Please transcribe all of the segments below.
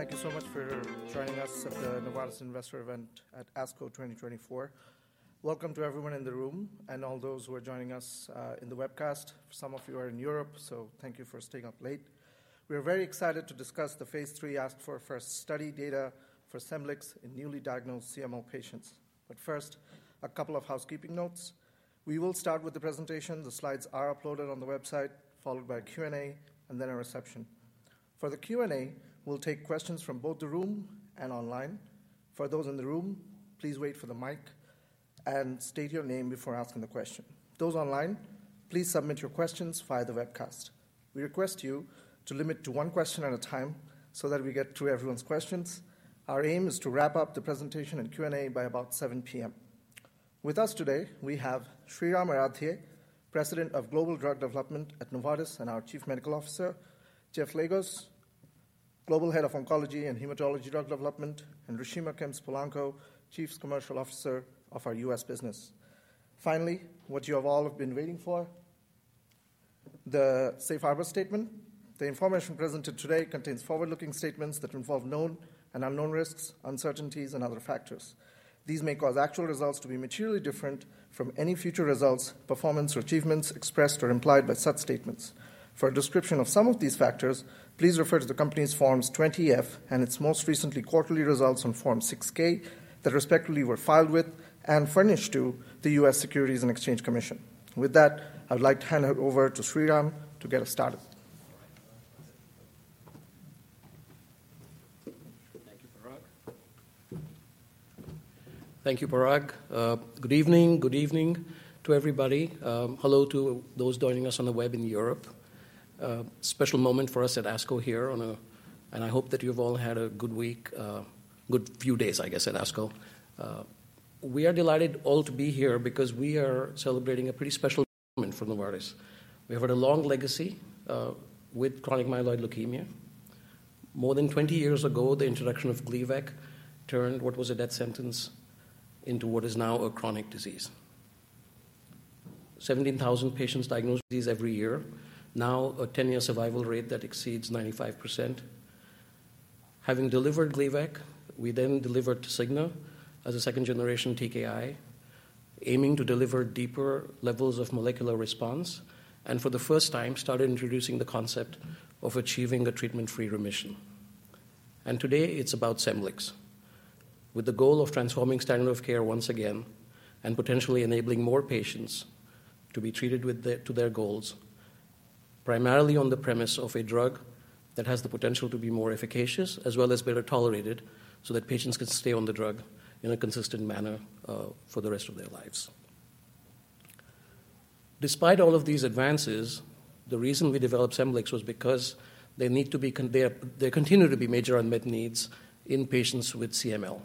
Thank you so much for joining us at the Novartis Investor Event at ASCO 2024. Welcome to everyone in the room and all those who are joining us in the webcast. Some of you are in Europe, so thank you for staying up late. We are very excited to discuss the phase III ASC4FIRST study data for Scemblix in newly diagnosed CML patients. But first, a couple of housekeeping notes. We will start with the presentation. The slides are uploaded on the website, followed by a Q&A and then a reception. For the Q&A, we'll take questions from both the room and online. For those in the room, please wait for the mic and state your name before asking the question. Those online, please submit your questions via the webcast. We request you to limit to one question at a time so that we get through everyone's questions. Our aim is to wrap up the presentation and Q&A by about 7:00 P.M. With us today, we have Shreeram Aradhye, President of Global Drug Development at Novartis, and our Chief Medical Officer, Jeff Legos, Global Head of Oncology and Hematology Drug Development, and Reshema Kemps-Polanco, Chief Commercial Officer of our U.S. business. Finally, what you have all been waiting for, the safe harbor statement. The information presented today contains forward-looking statements that involve known and unknown risks, uncertainties, and other factors. These may cause actual results to be materially different from any future results, performance, or achievements expressed or implied by such statements. For a description of some of these factors, please refer to the company's Form 20-F and its most recent quarterly results on Form 6-K, that respectively were filed with and furnished to the U.S. Securities and Exchange Commission. With that, I'd like to hand it over to Shreeram to get us started. Thank you, Parag. Thank you, Parag. Good evening. Good evening to everybody. Hello to those joining us on the web in Europe. A special moment for us at ASCO here, and I hope that you've all had a good week, good few days, I guess, at ASCO. We are delighted all to be here because we are celebrating a pretty special moment for Novartis. We have had a long legacy with chronic myeloid leukemia. More than 20 years ago, the introduction of Gleevec turned what was a death sentence into what is now a chronic disease. 17,000 patients diagnosed with this every year, now a 10-year survival rate that exceeds 95%. Having delivered Gleevec, we then delivered Tasigna as a second-generation TKI, aiming to deliver deeper levels of molecular response, and for the first time, started introducing the concept of achieving a treatment-free remission. Today it's about Scemblix, with the goal of transforming standard of care once again, and potentially enabling more patients to be treated to their goals, primarily on the premise of a drug that has the potential to be more efficacious as well as better tolerated, so that patients can stay on the drug in a consistent manner for the rest of their lives. Despite all of these advances, the reason we developed Scemblix was because there continue to be major unmet needs in patients with CML.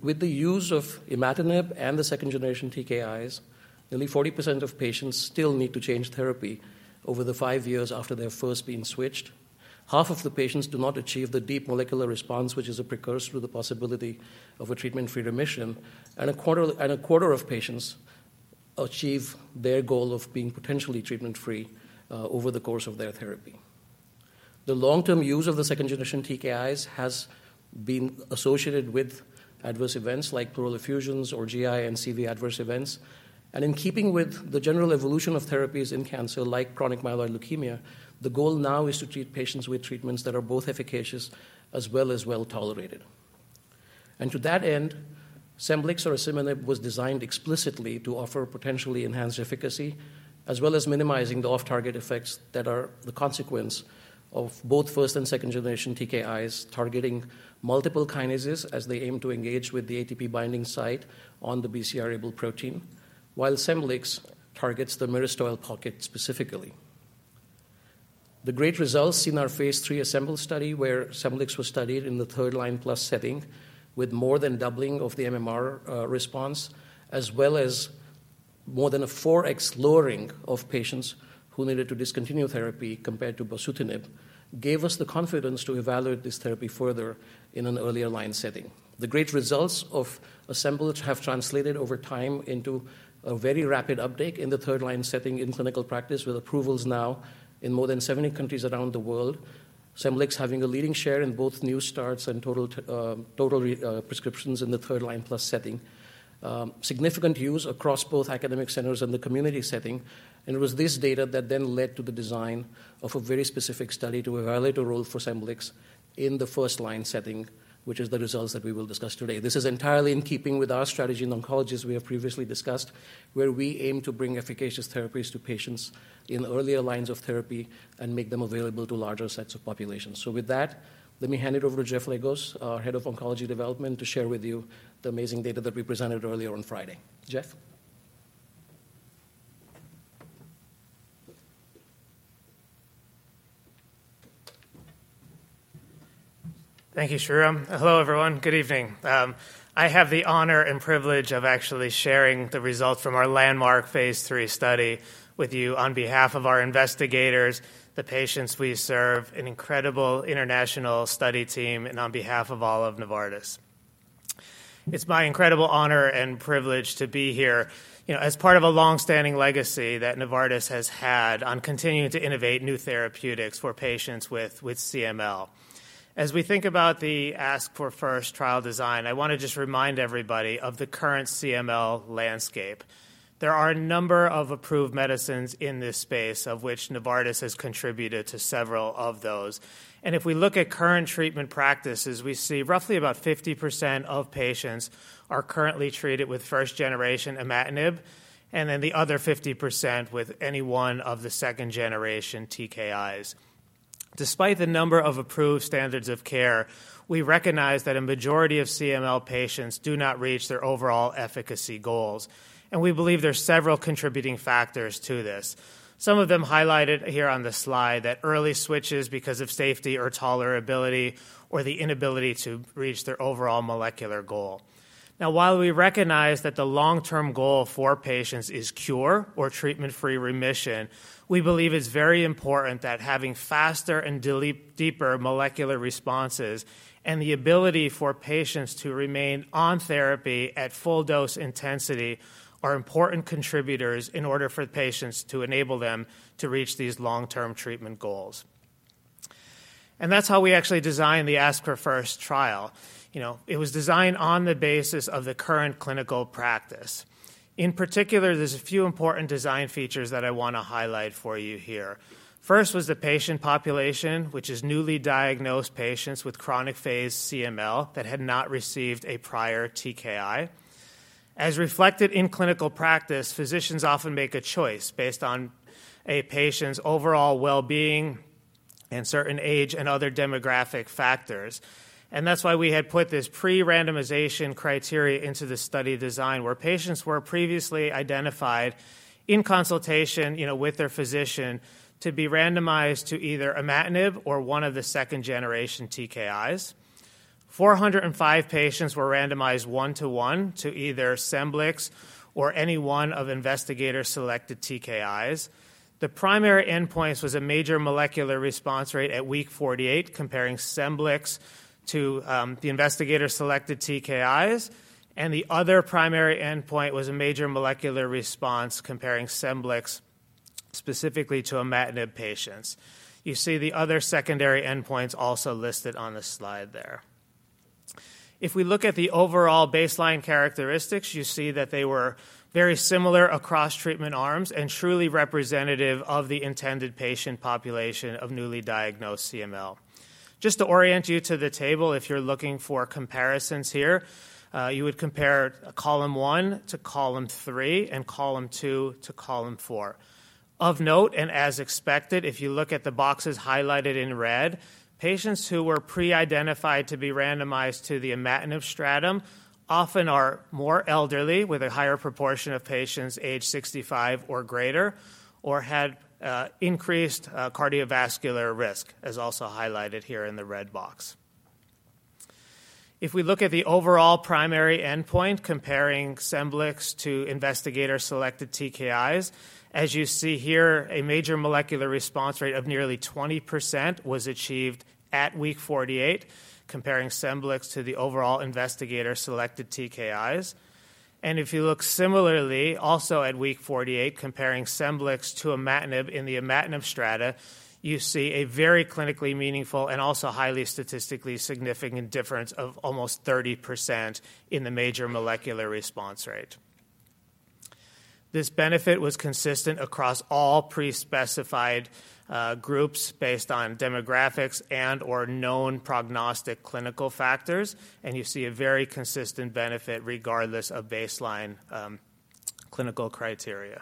With the use of imatinib and the second-generation TKIs, nearly 40% of patients still need to change therapy over the five years after they've first been switched. Half of the patients do not achieve the deep molecular response, which is a precursor to the possibility of a treatment-free remission, and a quarter of patients achieve their goal of being potentially treatment-free over the course of their therapy. The long-term use of the second-generation TKIs has been associated with adverse events like pleural effusions or GI and CV adverse events. In keeping with the general evolution of therapies in cancer like chronic myeloid leukemia, the goal now is to treat patients with treatments that are both efficacious as well as well-tolerated. To that end, Scemblix or asciminib was designed explicitly to offer potentially enhanced efficacy, as well as minimizing the off-target effects that are the consequence of both first and second-generation TKIs, targeting multiple kinases as they aim to engage with the ATP-binding site on the BCR-ABL protein, while Scemblix targets the myristoyl pocket specifically. The great results in our phase III ASCEMBL study, where Scemblix was studied in the third-line plus setting with more than doubling of the MMR response, as well as more than a 4x lowering of patients who needed to discontinue therapy compared to bosutinib, gave us the confidence to evaluate this therapy further in an earlier line setting. The great results of ASCEMBL have translated over time into a very rapid uptake in the third-line setting in clinical practice, with approvals now in more than 70 countries around the world. Scemblix having a leading share in both new starts and total prescriptions in the third-line plus setting. Significant use across both academic centers and the community setting, and it was this data that then led to the design of a very specific study to evaluate a role for Scemblix in the first-line setting, which is the results that we will discuss today. This is entirely in keeping with our strategy in oncology, as we have previously discussed, where we aim to bring efficacious therapies to patients in earlier lines of therapy and make them available to larger sets of populations. So with that, let me hand it over to Jeff Legos, our Head of Oncology Development, to share with you the amazing data that we presented earlier on Friday. Jeff? Thank you, Shreeram. Hello, everyone. Good evening. I have the honor and privilege of actually sharing the results from our landmark phase III study with you on behalf of our investigators, the patients we serve, an incredible international study team, and on behalf of all of Novartis.... It's my incredible honor and privilege to be here, you know, as part of a long-standing legacy that Novartis has had on continuing to innovate new therapeutics for patients with CML. As we think about the ASC4FIRST trial design, I want to just remind everybody of the current CML landscape. There are a number of approved medicines in this space, of which Novartis has contributed to several of those. And if we look at current treatment practices, we see roughly about 50% of patients are currently treated with first-generation imatinib, and then the other 50% with any one of the second-generation TKIs. Despite the number of approved standards of care, we recognize that a majority of CML patients do not reach their overall efficacy goals, and we believe there are several contributing factors to this. Some of them highlighted here on the slide, that early switches because of safety or tolerability, or the inability to reach their overall molecular goal. Now, while we recognize that the long-term goal for patients is cure or treatment-free remission, we believe it's very important that having faster and deeper molecular responses and the ability for patients to remain on therapy at full dose intensity are important contributors in order for patients to enable them to reach these long-term treatment goals. And that's how we actually designed the ASC4FIRST trial. You know, it was designed on the basis of the current clinical practice. In particular, there's a few important design features that I want to highlight for you here. First was the patient population, which is newly diagnosed patients with chronic phase CML that had not received a prior TKI. As reflected in clinical practice, physicians often make a choice based on a patient's overall well-being and certain age and other demographic factors. That's why we had put this pre-randomization criteria into the study design, where patients were previously identified in consultation, you know, with their physician, to be randomized to either imatinib or one of the second-generation TKIs. 405 patients were randomized 1:1 to either Scemblix or any one of investigator-selected TKIs. The primary endpoints was a major molecular response rate at week 48, comparing Scemblix to the investigator-selected TKIs, and the other primary endpoint was a major molecular response, comparing Scemblix specifically to imatinib patients. You see the other secondary endpoints also listed on the slide there. If we look at the overall baseline characteristics, you see that they were very similar across treatment arms and truly representative of the intended patient population of newly diagnosed CML. Just to orient you to the table, if you're looking for comparisons here, you would compare column one to column three and column two to column four. Of note, and as expected, if you look at the boxes highlighted in red, patients who were pre-identified to be randomized to the imatinib stratum often are more elderly, with a higher proportion of patients aged 65 or greater or had increased cardiovascular risk, as also highlighted here in the red box. If we look at the overall primary endpoint comparing Scemblix to investigator-selected TKIs, as you see here, a major molecular response rate of nearly 20% was achieved at week 48, comparing Scemblix to the overall investigator-selected TKIs. If you look similarly, also at week 48, comparing Scemblix to imatinib in the imatinib strata, you see a very clinically meaningful and also highly statistically significant difference of almost 30% in the major molecular response rate. This benefit was consistent across all pre-specified groups based on demographics and/or known prognostic clinical factors, and you see a very consistent benefit regardless of baseline clinical criteria.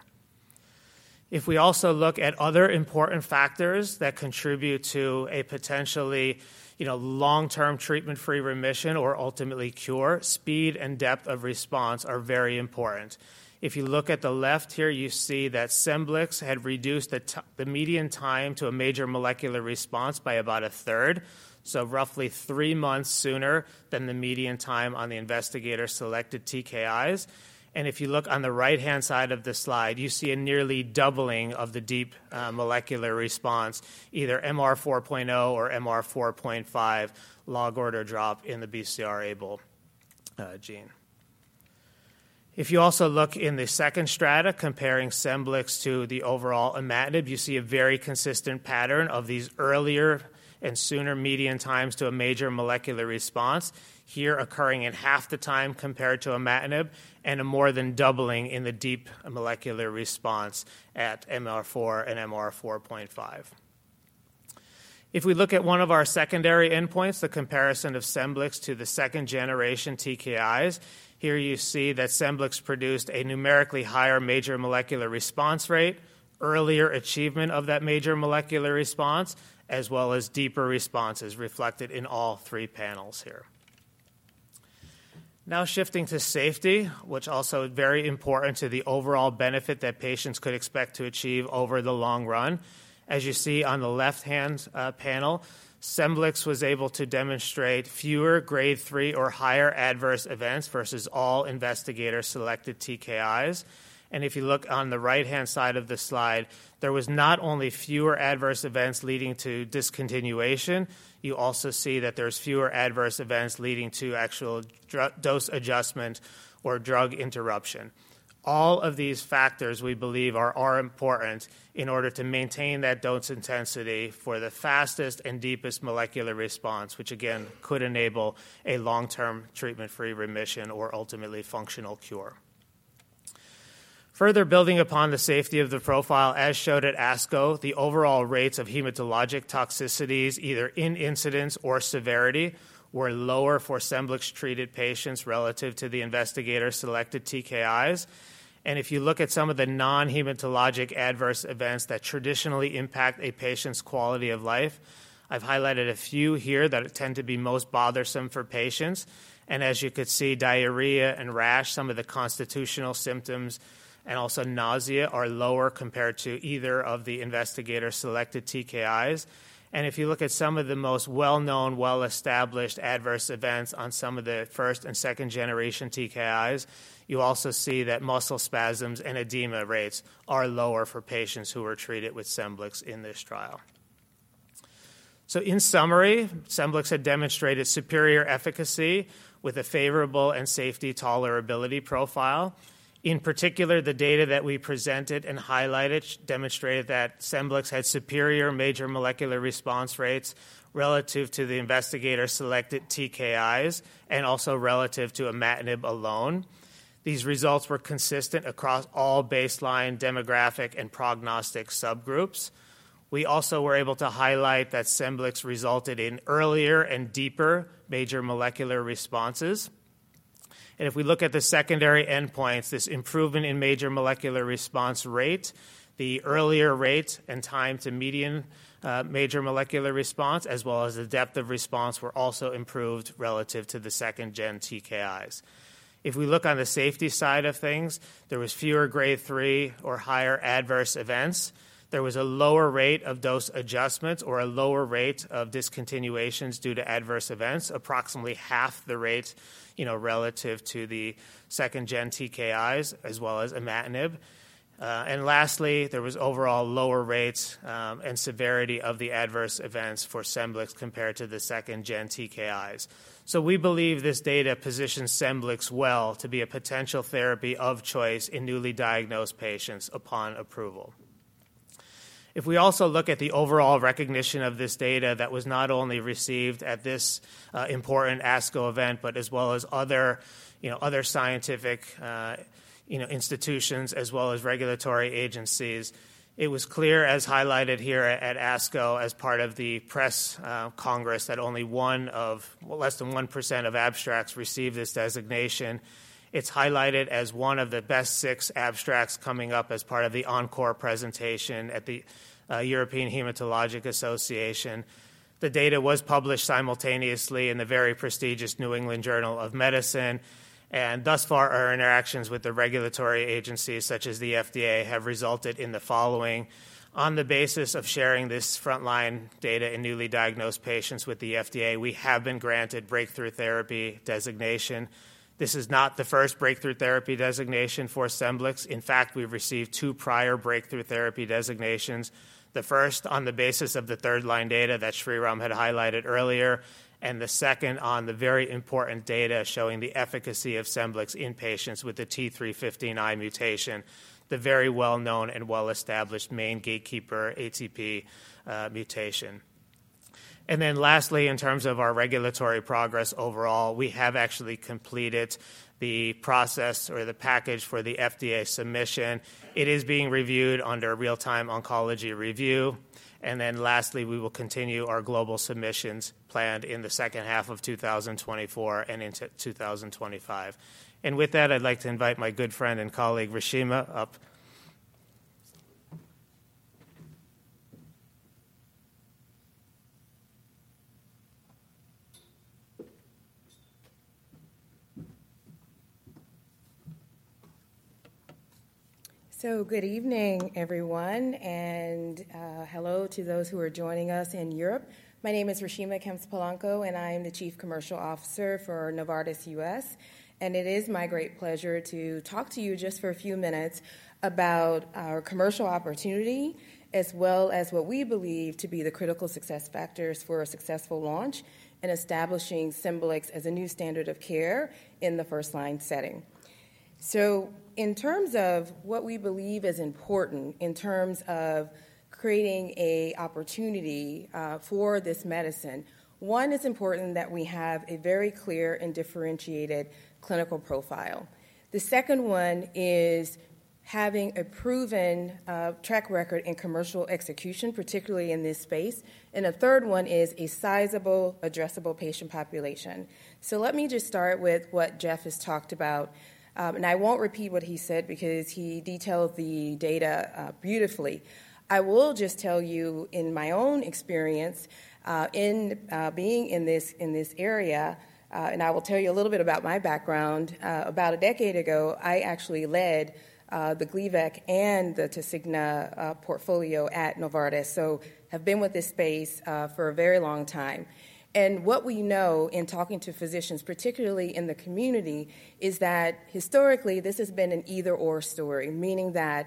If we also look at other important factors that contribute to a potentially, you know, long-term treatment-free remission or ultimately cure, speed and depth of response are very important. If you look at the left here, you see that Scemblix had reduced the median time to a major molecular response by about a third, so roughly three months sooner than the median time on the investigator-selected TKIs. If you look on the right-hand side of the slide, you see a nearly doubling of the deep molecular response, either MR 4.0 or MR 4.5 log order drop in the BCR-ABL gene. If you also look in the second strata, comparing Scemblix to the overall imatinib, you see a very consistent pattern of these earlier and sooner median times to a major molecular response, here occurring in half the time compared to imatinib and a more than doubling in the deep molecular response at MR 4 and MR 4.5. If we look at one of our secondary endpoints, the comparison of Scemblix to the second-generation TKIs, here you see that Scemblix produced a numerically higher major molecular response rate, earlier achievement of that major molecular response, as well as deeper responses reflected in all three panels here. Now, shifting to safety, which also is very important to the overall benefit that patients could expect to achieve over the long run. As you see on the left-hand panel, Scemblix was able to demonstrate fewer Grade 3 or higher adverse events versus all investigator-selected TKIs. And if you look on the right-hand side of the slide, there was not only fewer adverse events leading to discontinuation. You also see that there's fewer adverse events leading to actual drug dose adjustment or drug interruption. All of these factors, we believe, are, are important in order to maintain that dose intensity for the fastest and deepest molecular response, which again, could enable a long-term treatment-free remission or ultimately functional cure. Further building upon the safety of the profile, as showed at ASCO, the overall rates of hematologic toxicities, either in incidence or severity, were lower for Scemblix-treated patients relative to the investigator-selected TKIs. And if you look at some of the non-hematologic adverse events that traditionally impact a patient's quality of life, I've highlighted a few here that tend to be most bothersome for patients. And as you could see, diarrhea and rash, some of the constitutional symptoms, and also nausea are lower compared to either of the investigator-selected TKIs. And if you look at some of the most well-known, well-established adverse events on some of the first and second-generation TKIs, you also see that muscle spasms and edema rates are lower for patients who were treated with Scemblix in this trial. So in summary, Scemblix had demonstrated superior efficacy with a favorable and safety tolerability profile. In particular, the data that we presented and highlighted demonstrated that Scemblix had superior major molecular response rates relative to the investigator-selected TKIs, and also relative to imatinib alone. These results were consistent across all baseline demographic and prognostic subgroups. We also were able to highlight that Scemblix resulted in earlier and deeper major molecular responses. If we look at the secondary endpoints, this improvement in major molecular response rate, the earlier rate and time to median major molecular response, as well as the depth of response, were also improved relative to the second-gen TKIs. If we look on the safety side of things, there was fewer Grade 3 or higher adverse events. There was a lower rate of dose adjustments or a lower rate of discontinuations due to adverse events, approximately half the rate, you know, relative to the second-gen TKIs, as well as imatinib. And lastly, there was overall lower rates and severity of the adverse events for Scemblix compared to the second-gen TKIs. So we believe this data positions Scemblix well to be a potential therapy of choice in newly diagnosed patients upon approval. If we also look at the overall recognition of this data that was not only received at this important ASCO event, but as well as other, you know, other scientific institutions, as well as regulatory agencies, it was clear, as highlighted here at ASCO, as part of the press congress, that less than 1% of abstracts received this designation. It's highlighted as one of the best 6 abstracts coming up as part of the encore presentation at the European Hematology Association. The data was published simultaneously in the very prestigious New England Journal of Medicine, and thus far, our interactions with the regulatory agencies, such as the FDA, have resulted in the following. On the basis of sharing this frontline data in newly diagnosed patients with the FDA, we have been granted Breakthrough Therapy designation. This is not the first Breakthrough Therapy Designation for Scemblix. In fact, we've received two prior Breakthrough Therapy Designations, the first on the basis of the third-line data that Shreeram had highlighted earlier, and the second on the very important data showing the efficacy of Scemblix in patients with the T315I mutation, the very well-known and well-established main gatekeeper ATP mutation. Then lastly, in terms of our regulatory progress overall, we have actually completed the process or the package for the FDA submission. It is being reviewed under Real-Time Oncology Review. Then lastly, we will continue our global submissions planned in the second half of 2024 and into 2025. With that, I'd like to invite my good friend and colleague, Reshema, up. Good evening, everyone, and hello to those who are joining us in Europe. My name is Reshema Kemps-Polanco, and I am the Chief Commercial Officer for Novartis U.S. It is my great pleasure to talk to you just for a few minutes about our commercial opportunity, as well as what we believe to be the critical success factors for a successful launch in establishing Scemblix as a new standard of care in the first-line setting. In terms of what we believe is important in terms of creating an opportunity for this medicine, one, it's important that we have a very clear and differentiated clinical profile. The second one is having a proven track record in commercial execution, particularly in this space. And the third one is a sizable addressable patient population. So let me just start with what Jeff has talked about, and I won't repeat what he said because he detailed the data, beautifully. I will just tell you, in my own experience, in being in this area, and I will tell you a little bit about my background. About a decade ago, I actually led the Gleevec and the Tasigna portfolio at Novartis, so have been with this space for a very long time.... What we know in talking to physicians, particularly in the community, is that historically, this has been an either/or story, meaning that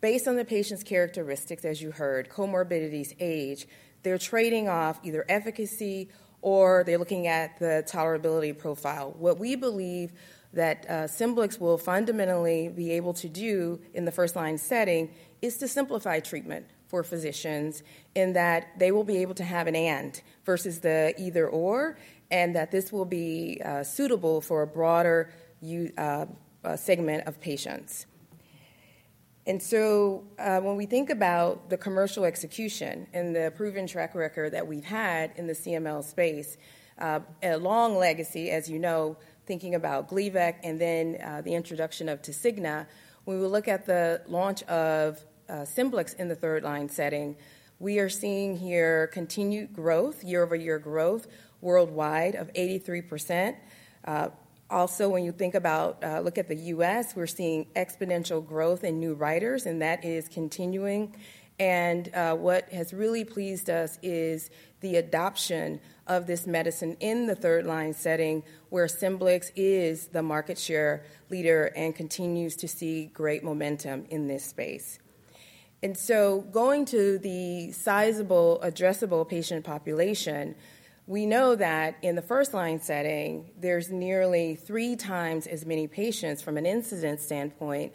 based on the patient's characteristics, as you heard, comorbidities, age, they're trading off either efficacy or they're looking at the tolerability profile. What we believe that, Scemblix will fundamentally be able to do in the first-line setting is to simplify treatment for physicians, in that they will be able to have an and versus the either/or, and that this will be, suitable for a broader segment of patients. And so, when we think about the commercial execution and the proven track record that we've had in the CML space, a long legacy, as you know, thinking about Gleevec and then, the introduction of Tasigna, when we look at the launch of, Scemblix in the third-line setting, we are seeing here continued growth, year-over-year growth worldwide of 83%. Also, when you think about, look at the U.S., we're seeing exponential growth in new writers, and that is continuing. What has really pleased us is the adoption of this medicine in the third-line setting, where Scemblix is the market share leader and continues to see great momentum in this space. So going to the sizable addressable patient population, we know that in the first-line setting, there's nearly three times as many patients from an incidence standpoint,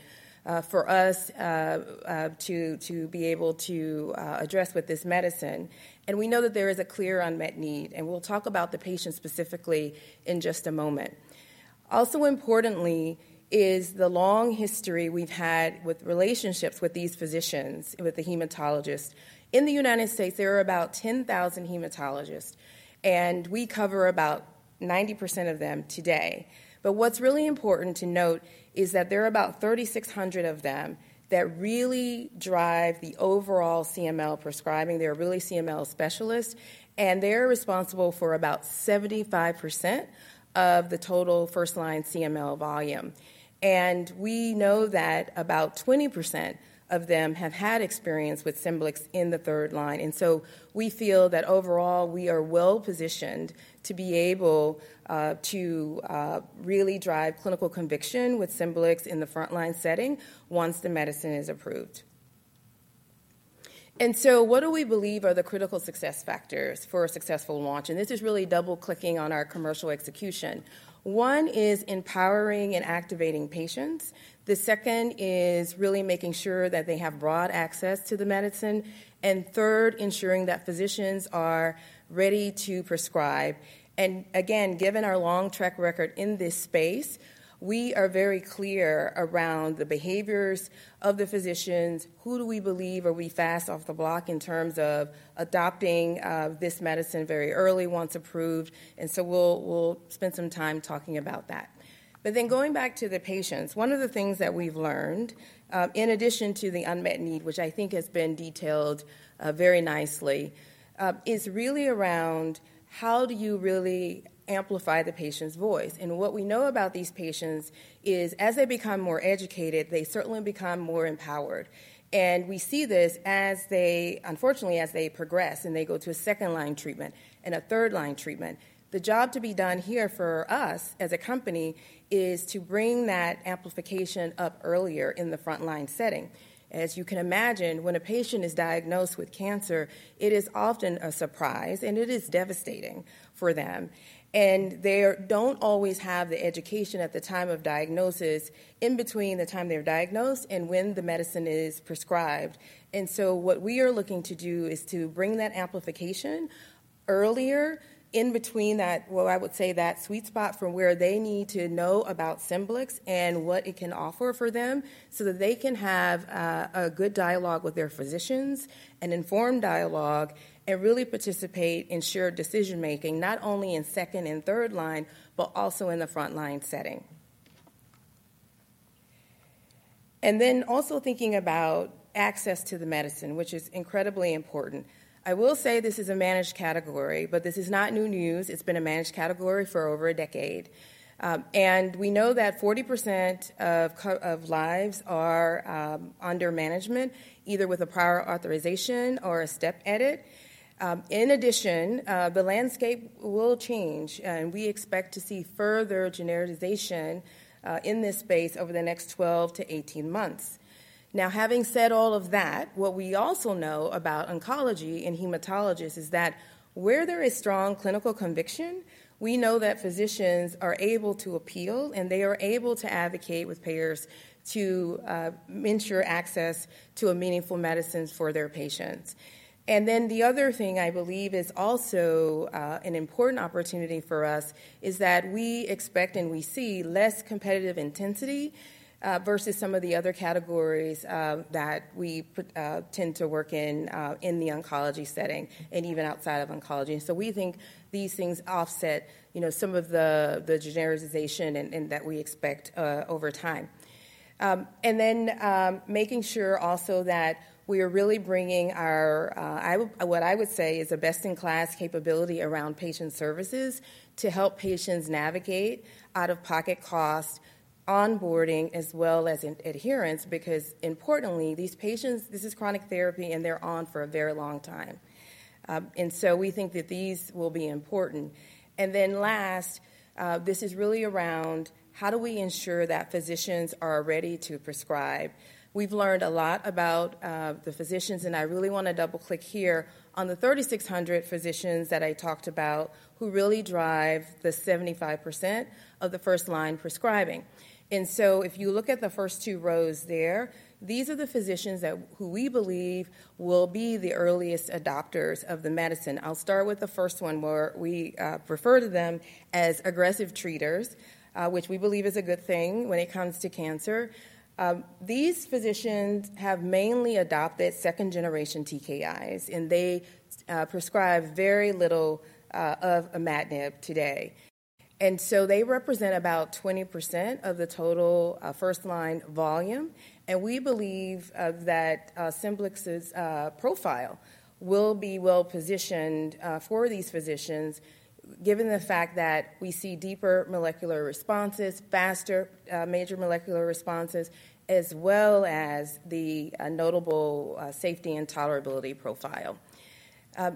for us, to be able to address with this medicine. And we know that there is a clear unmet need, and we'll talk about the patient specifically in just a moment. Also importantly is the long history we've had with relationships with these physicians, with the hematologists. In the United States, there are about 10,000 hematologists, and we cover about 90% of them today. But what's really important to note is that there are about 3,600 of them that really drive the overall CML prescribing. They're really CML specialists, and they're responsible for about 75% of the total first-line CML volume. And we know that about 20% of them have had experience with Scemblix in the third line, and so we feel that overall, we are well positioned to be able to really drive clinical conviction with Scemblix in the front-line setting once the medicine is approved. And so what do we believe are the critical success factors for a successful launch? And this is really double-clicking on our commercial execution. One is empowering and activating patients. The second is really making sure that they have broad access to the medicine. And third, ensuring that physicians are ready to prescribe. And again, given our long track record in this space, we are very clear around the behaviors of the physicians. Who do we believe are we fast off the block in terms of adopting this medicine very early once approved? And so we'll, we'll spend some time talking about that. But then going back to the patients, one of the things that we've learned in addition to the unmet need, which I think has been detailed very nicely, is really around how do you really amplify the patient's voice? And what we know about these patients is as they become more educated, they certainly become more empowered. And we see this as they-- unfortunately, as they progress, and they go to a second-line treatment and a third-line treatment. The job to be done here for us as a company is to bring that amplification up earlier in the front-line setting. As you can imagine, when a patient is diagnosed with cancer, it is often a surprise, and it is devastating for them, and they don't always have the education at the time of diagnosis, in between the time they're diagnosed and when the medicine is prescribed. And so what we are looking to do is to bring that amplification earlier in between that, well, I would say that sweet spot from where they need to know about Scemblix and what it can offer for them, so that they can have a, a good dialogue with their physicians, an informed dialogue, and really participate in shared decision-making, not only in second and third line, but also in the front-line setting. And then also thinking about access to the medicine, which is incredibly important. I will say this is a managed category, but this is not new news. It's been a managed category for over a decade. And we know that 40% of covered lives are under management, either with a prior authorization or a step edit. In addition, the landscape will change, and we expect to see further genericization in this space over the next 12-18 months. Now, having said all of that, what we also know about oncology and hematologists is that where there is strong clinical conviction, we know that physicians are able to appeal, and they are able to advocate with payers to ensure access to meaningful medicines for their patients. And then the other thing I believe is also an important opportunity for us is that we expect and we see less competitive intensity versus some of the other categories that we tend to work in in the oncology setting and even outside of oncology. And so we think these things offset, you know, some of the, the genericization and that we expect over time. And then making sure also that we are really bringing our I would—what I would say is a best-in-class capability around patient services to help patients navigate out-of-pocket costs, onboarding, as well as adherence, because importantly, these patients, this is chronic therapy, and they're on for a very long time. And so we think that these will be important. And then last, this is really around how do we ensure that physicians are ready to prescribe? We've learned a lot about, the physicians, and I really want to double-click here on the 3,600 physicians that I talked about, who really drive the 75% of the first-line prescribing. And so if you look at the first two rows there, these are the physicians who we believe will be the earliest adopters of the medicine. I'll start with the first one, where we, refer to them as aggressive treaters, which we believe is a good thing when it comes to cancer. These physicians have mainly adopted second-generation TKIs, and they, prescribe very little, of imatinib today. They represent about 20% of the total first-line volume, and we believe that Scemblix's profile will be well positioned for these physicians, given the fact that we see deeper molecular responses, faster major molecular responses, as well as the notable safety and tolerability profile.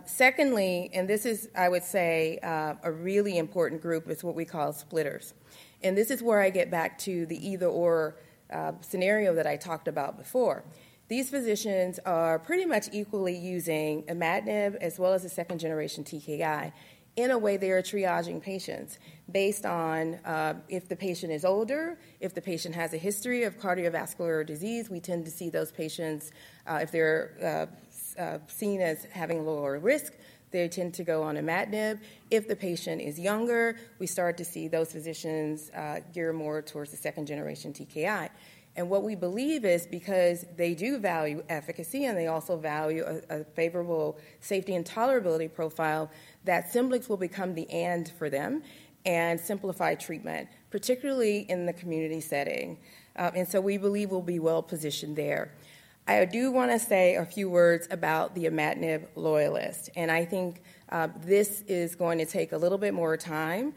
Secondly, and this is, I would say, a really important group, is what we call splitters. And this is where I get back to the either/or scenario that I talked about before. These physicians are pretty much equally using imatinib as well as a second-generation TKI. In a way, they are triaging patients based on if the patient is older, if the patient has a history of cardiovascular disease, we tend to see those patients if they're seen as having lower risk, they tend to go on imatinib. If the patient is younger, we start to see those physicians gear more towards the second-generation TKI. And what we believe is because they do value efficacy and they also value a favorable safety and tolerability profile, that Scemblix will become the "and" for them and simplify treatment, particularly in the community setting. And so we believe we'll be well positioned there. I do want to say a few words about the imatinib loyalist, and I think this is going to take a little bit more time.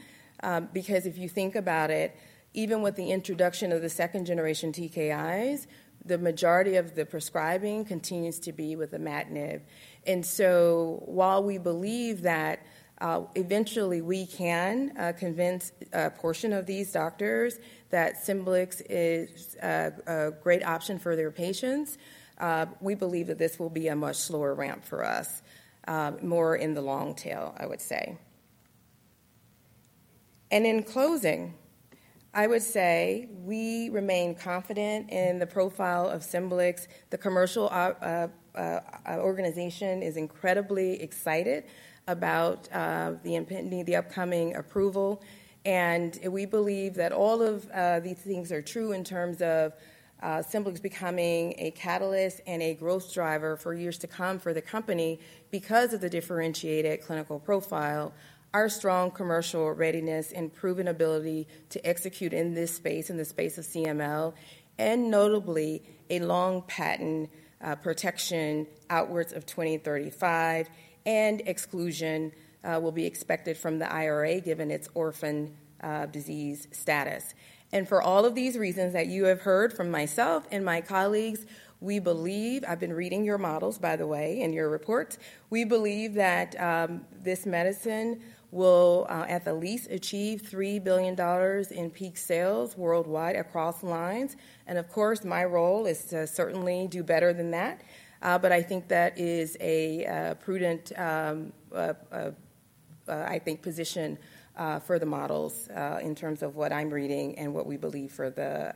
Because if you think about it, even with the introduction of the second-generation TKIs, the majority of the prescribing continues to be with imatinib. And so while we believe that, eventually we can convince a portion of these doctors that Scemblix is a great option for their patients, we believe that this will be a much slower ramp for us, more in the long tail, I would say. And in closing, I would say we remain confident in the profile of Scemblix. The commercial organization is incredibly excited about the impending, the upcoming approval, and we believe that all of these things are true in terms of Scemblix becoming a catalyst and a growth driver for years to come for the company because of the differentiated clinical profile, our strong commercial readiness and proven ability to execute in this space, in the space of CML, and notably, a long patent protection outwards of 2035, and exclusion will be expected from the IRA, given its orphan disease status. For all of these reasons that you have heard from myself and my colleagues, we believe... I've been reading your models, by the way, and your reports. We believe that this medicine will, at the least, achieve $3 billion in peak sales worldwide across lines. And of course, my role is to certainly do better than that, but I think that is a prudent, I think, position for the models, in terms of what I'm reading and what we believe for the,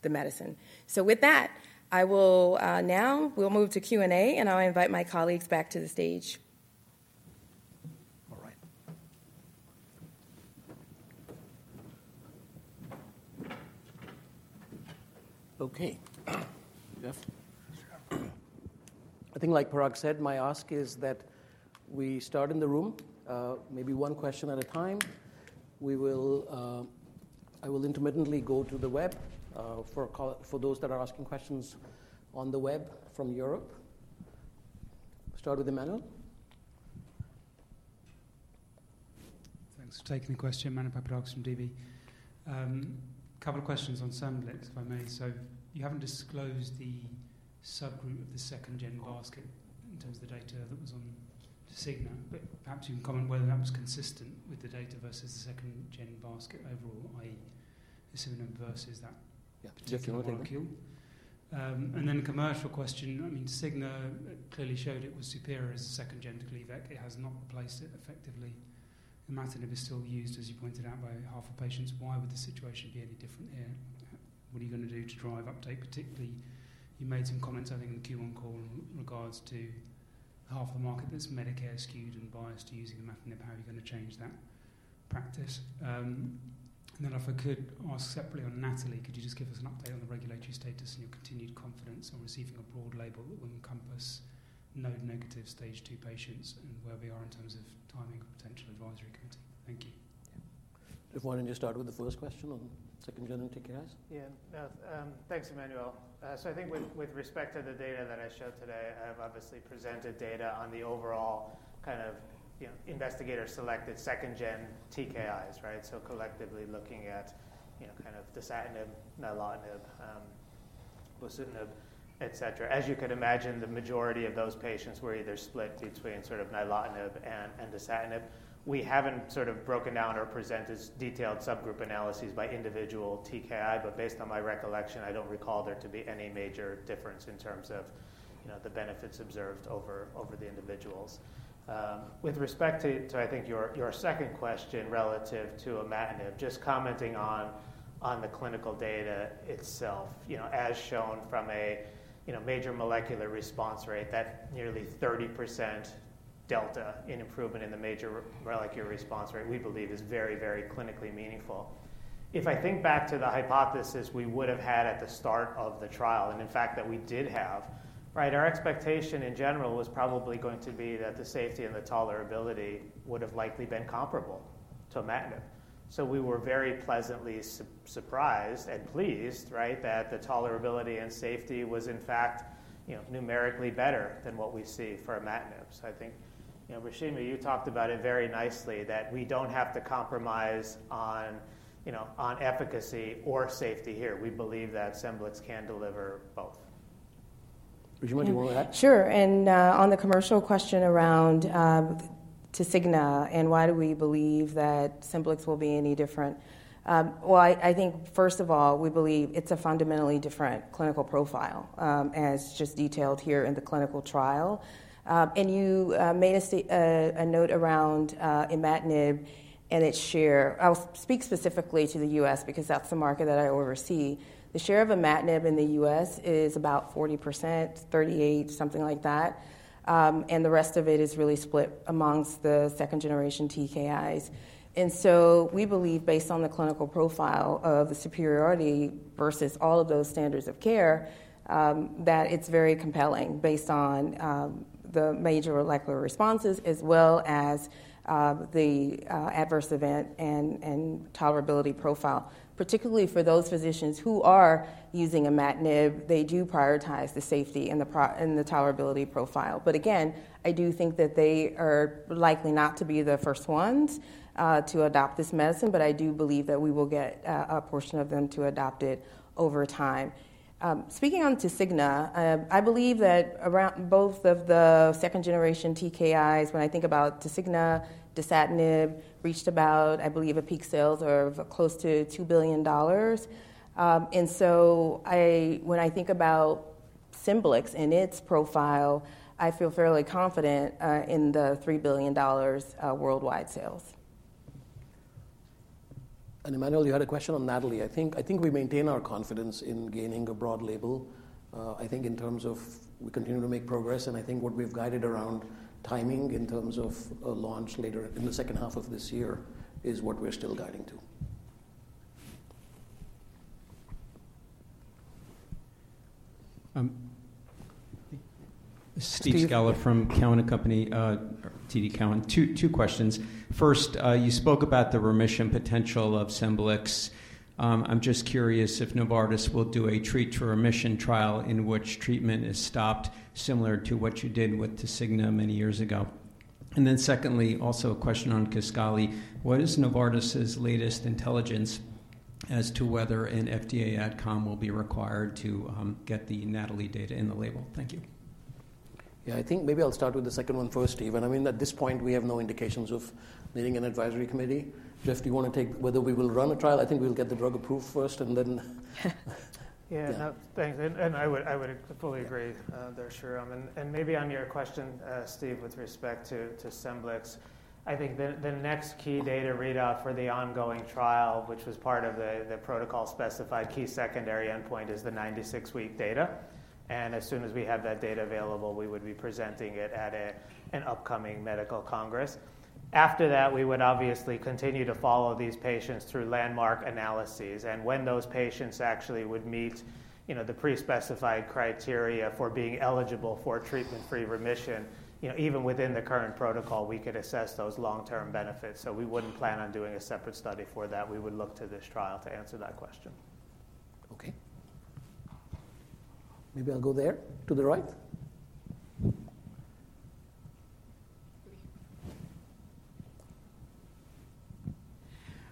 the medicine. So with that, I will now we'll move to Q&A, and I'll invite my colleagues back to the stage. All right. Okay. Jeff? Sure. I think like Parag said, my ask is that we start in the room, maybe one question at a time. We will. I will intermittently go to the web for those that are asking questions on the web from Europe. Start with Emmanuel. Thanks for taking the question. Emmanuel Papadakis from DB. A couple of questions on Scemblix, if I may. So you haven't disclosed the subgroup of the second-gen basket in terms of the data that was on Tasigna, but perhaps you can comment whether that was consistent with the data versus the second-gen basket overall, i.e., the dasatinib versus that- Yeah, particular molecule. And then a commercial question. I mean, Tasigna clearly showed it was superior as a second-gen to Gleevec. It has not replaced it effectively. Imatinib is still used, as you pointed out, by half the patients. Why would the situation be any different here? What are you going to do to drive uptake? Particularly, you made some comments, I think, in the Q1 call in regards to half the market that's Medicare skewed and biased to using imatinib. How are you going to change that practice? And then if I could ask separately on NATALEE, could you just give us an update on the regulatory status and your continued confidence on receiving a broad label that will encompass node-negative stage two patients and where we are in terms of timing a potential advisory committee? Thank you. Yeah. Why don't you start with the first question on second-generation TKIs? Yeah. Thanks, Emmanuel. So I think with, with respect to the data that I showed today, I have obviously presented data on the overall kind of, you know, investigator-selected second-gen TKIs, right? So collectively looking at, you know, kind of dasatinib, nilotinib, bosutinib, et cetera. As you can imagine, the majority of those patients were either split between sort of nilotinib and, and dasatinib. We haven't sort of broken down or presented detailed subgroup analyses by individual TKI, but based on my recollection, I don't recall there to be any major difference in terms of, you know, the benefits observed over, over the individuals. With respect to, I think your second question relative to imatinib, just commenting on the clinical data itself, you know, as shown from a, you know, major molecular response rate, that nearly 30% delta in improvement in the major molecular response rate, we believe is very, very clinically meaningful. If I think back to the hypothesis we would have had at the start of the trial, and in fact, that we did have, right? Our expectation in general was probably going to be that the safety and the tolerability would have likely been comparable to imatinib. So we were very pleasantly surprised and pleased, right, that the tolerability and safety was, in fact, you know, numerically better than what we see for imatinib. I think, you know, Reshema, you talked about it very nicely, that we don't have to compromise on, you know, on efficacy or safety here. We believe that Scemblix can deliver both. Reshema, do you want to add? Sure, and, on the commercial question around, Tasigna and why do we believe that Scemblix will be any different? Well, I think first of all, we believe it's a fundamentally different clinical profile, as just detailed here in the clinical trial. And you made a note around, imatinib and its share. I'll speak specifically to the U.S. because that's the market that I oversee. The share of imatinib in the U.S. is about 40%, 38, something like that, and the rest of it is really split amongst the second-generation TKIs. And so we believe, based on the clinical profile of the superiority versus all of those standards of care, that it's very compelling based on, the major molecular responses as well as, the adverse event and tolerability profile. Particularly for those physicians who are using imatinib, they do prioritize the safety and the tolerability profile. But again, I do think that they are likely not to be the first ones to adopt this medicine, but I do believe that we will get a, a portion of them to adopt it over time. Speaking on Tasigna, I believe that around both of the second-generation TKIs, when I think about Tasigna, dasatinib, reached about, I believe, a peak sales of close to $2 billion. And so when I think about Scemblix and its profile, I feel fairly confident in the $3 billion worldwide sales. Emmanuel, you had a question on NATALEE. I think, I think we maintain our confidence in gaining a broad label. I think in terms of we continue to make progress, and I think what we've guided around timing in terms of a launch later in the second half of this year is what we're still guiding to. Um- Steve Scala from TD Cowen. tWO questions. First, you spoke about the remission potential of Scemblix. I'm just curious if Novartis will do a treat-to-remission trial in which treatment is stopped, similar to what you did with Tasigna many years ago. And then secondly, also a question on Kisqali: What is Novartis's latest intelligence as to whether an FDA ad com will be required to get the NATALEE data in the label? Thank you. Yeah, I think maybe I'll start with the second one first, Steve. And I mean, at this point, we have no indications of needing an advisory committee. Jeff, do you want to take whether we will run a trial? I think we'll get the drug approved first and then... Yeah, no, thanks. And I would fully agree, there, Shreeram. And maybe on your question, Steve, with respect to Scemblix, I think the next key data readout for the ongoing trial, which was part of the protocol-specified key secondary endpoint, is the 96-week data. And as soon as we have that data available, we would be presenting it at an upcoming medical congress. After that, we would obviously continue to follow these patients through landmark analyses, and when those patients actually would meet, you know, the pre-specified criteria for being eligible for treatment-free remission, you know, even within the current protocol, we could assess those long-term benefits. So we wouldn't plan on doing a separate study for that. We would look to this trial to answer that question. Okay. Maybe I'll go there, to the right.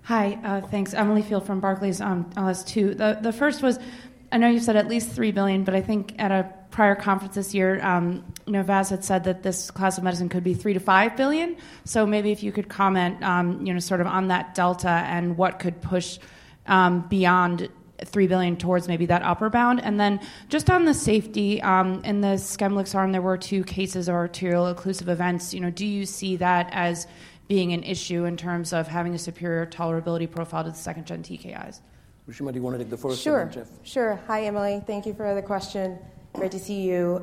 Hi, thanks. Emily Field from Barclays, I'll ask two. The first was, I know you said at least $3 billion, but I think at a prior conference this year, Vas had said that this class of medicine could be $3 billion-$5 billion. So maybe if you could comment, you know, sort of on that delta and what could push beyond $3 billion towards maybe that upper bound. And then just on the safety, in the Scemblix arm, there were two cases of arterial occlusive events. You know, do you see that as being an issue in terms of having a superior tolerability profile to the second-gen TKIs? Reshema, do you want to take the first? Sure. Jeff? Sure. Hi, Emily. Thank you for the question. Great to see you.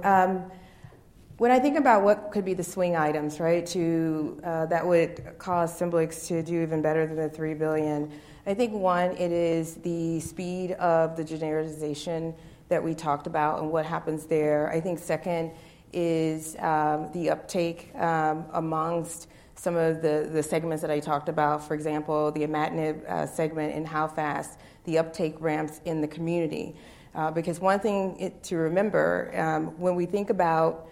When I think about what could be the swing items, right, to that would cause Scemblix to do even better than the $3 billion, I think one, it is the speed of the genericization that we talked about and what happens there. I think second is the uptake amongst some of the segments that I talked about, for example, the imatinib segment and how fast the uptake ramps in the community. Because one thing to remember, when we think about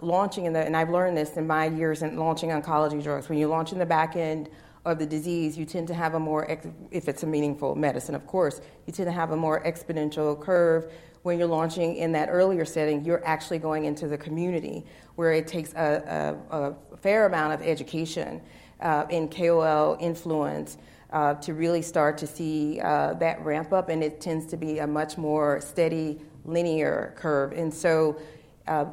launching, and I've learned this in my years in launching oncology drugs, when you launch in the back end of the disease, you tend to have a more ex-- if it's a meaningful medicine, of course, you tend to have a more exponential curve. When you're launching in that earlier setting, you're actually going into the community where it takes a fair amount of education and KOL influence to really start to see that ramp up, and it tends to be a much more steady linear curve. And so,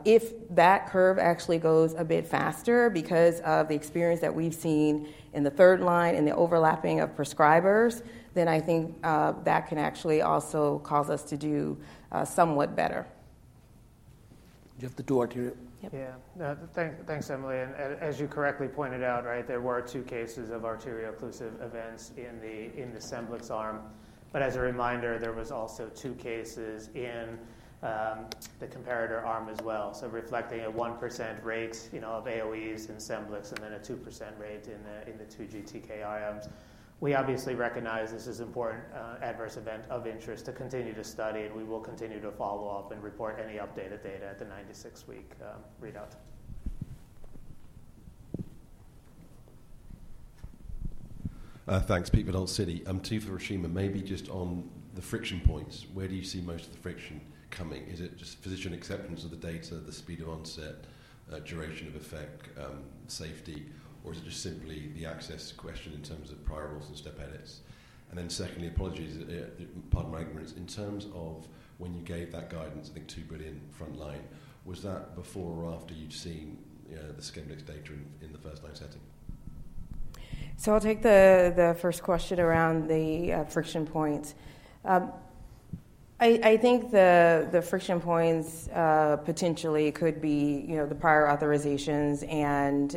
if that curve actually goes a bit faster because of the experience that we've seen in the third line and the overlapping of prescribers, then I think that can actually also cause us to do somewhat better. You have the two arterial? Yep. Yeah. Thanks, Emily. And as you correctly pointed out, right, there were two cases of arterial occlusive events in the Scemblix arm. But as a reminder, there was also two cases in the comparator arm as well. So reflecting a 1% rate, you know, of AOEs in Scemblix and then a 2% rate in the two second-gen TKIs. We obviously recognize this is important adverse event of interest to continue to study, and we will continue to follow up and report any updated data at the 96-week readout. Thanks. Peter from Citi. Two for Reshema. Maybe just on the friction points, where do you see most of the friction coming? Is it just physician acceptance of the data, the speed of onset, duration of effect, safety, or is it just simply the access question in terms of prior rules and step edits? And then secondly, apologies, pardon my ignorance. In terms of when you gave that guidance, I think $2 billion frontline, was that before or after you'd seen, the Scemblix data in the first-line setting? So I'll take the first question around the friction points. I think the friction points potentially could be, you know, the prior authorizations and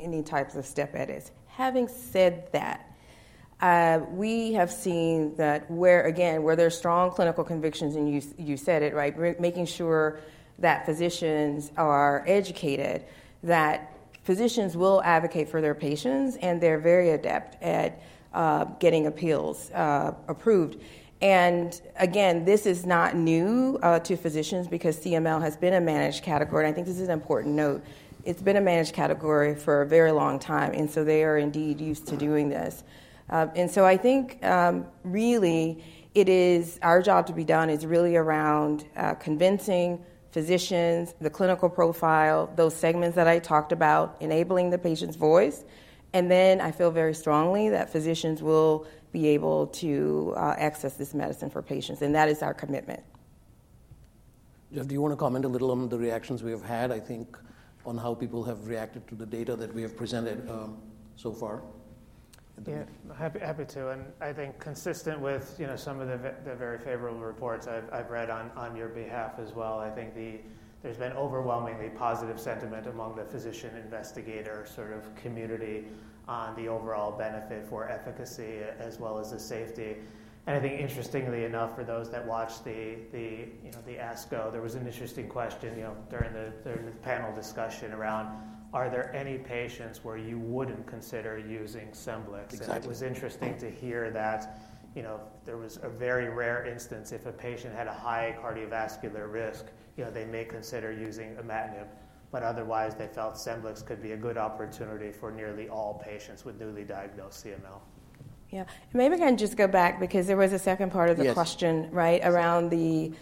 any types of step edits. Having said that, we have seen that, again, where there are strong clinical convictions, and you said it, right? We're making sure that physicians are educated, that physicians will advocate for their patients, and they're very adept at getting appeals approved. And again, this is not new to physicians because CML has been a managed category, and I think this is an important note. It's been a managed category for a very long time, and so they are indeed used to doing this. And so I think, really it is our job to be done is really around convincing physicians, the clinical profile, those segments that I talked about, enabling the patient's voice. And then I feel very strongly that physicians will be able to access this medicine for patients, and that is our commitment. Do you want to comment a little on the reactions we have had, I think, on how people have reacted to the data that we have presented, so far? Yeah. Happy to, and I think consistent with, you know, some of the very favorable reports I've read on your behalf as well. I think there's been overwhelmingly positive sentiment among the physician investigator sort of community on the overall benefit for efficacy as well as the safety. And I think interestingly enough, for those that watched the, you know, the ASCO, there was an interesting question, you know, during the panel discussion around: "Are there any patients where you wouldn't consider using Scemblix? Exactly. It was interesting to hear that, you know, there was a very rare instance if a patient had a high cardiovascular risk, you know, they may consider using imatinib, but otherwise, they felt Scemblix could be a good opportunity for nearly all patients with newly diagnosed CML. Yeah. Maybe I can just go back because there was a second part of the question- Yes. Right, around the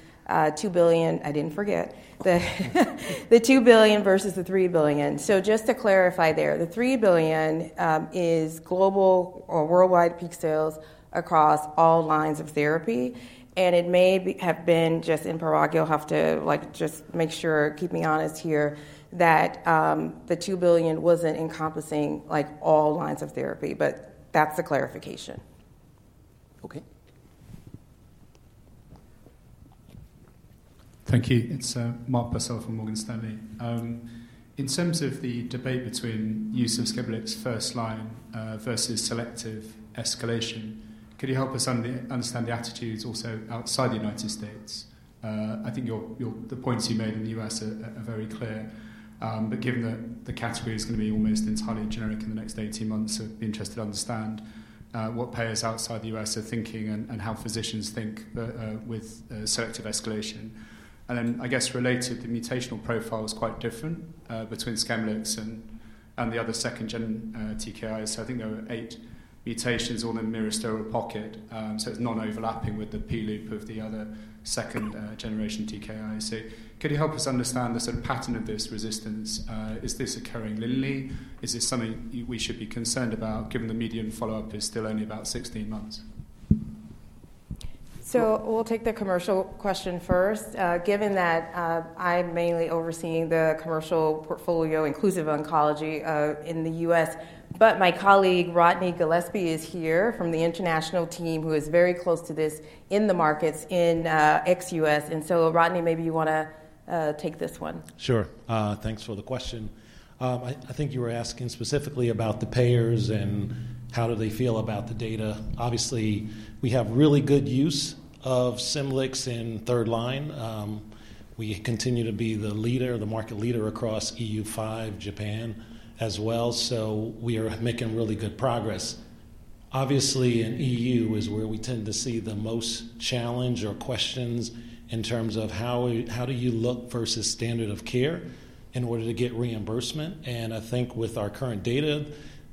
$2 billion. I didn't forget. The $2 billion versus the $3 billion. So just to clarify there, the $3 billion is global or worldwide peak sales across all lines of therapy, and it may be, have been just in Parag, you'll have to, like, just make sure, keep me honest here, that the $2 billion wasn't encompassing, like, all lines of therapy, but that's the clarification. Okay. Thank you. It's Mark Purcell from Morgan Stanley. In terms of the debate between use of Scemblix first line versus selective escalation, could you help us understand the attitudes also outside the United States? I think your the points you made in the US are very clear, but given that the category is going to be almost entirely generic in the next 18 months, so I'd be interested to understand what payers outside the U.S. are thinking and how physicians think with selective escalation. And then, I guess, related, the mutational profile is quite different between Scemblix and the other second-gen TKIs. So I think there were eight mutations, all in myristoyl pocket, so it's not overlapping with the P-loop of the other second generation TKIs. Could you help us understand the sort of pattern of this resistance? Is this occurring linearly? Is this something we should be concerned about, given the median follow-up is still only about 16 months?... So we'll take the commercial question first, given that I'm mainly overseeing the commercial portfolio, inclusive oncology, in the U.S. But my colleague, Rodney Gillespie, is here from the international team, who is very close to this in the markets in ex-U.S. And so, Rodney, maybe you want to take this one. Sure. Thanks for the question. I think you were asking specifically about the payers and how do they feel about the data. Obviously, we have really good use of Scemblix in third line. We continue to be the leader, the market leader across EU5, Japan as well, so we are making really good progress. Obviously, in EU is where we tend to see the most challenge or questions in terms of how do you look versus standard of care in order to get reimbursement, and I think with our current data,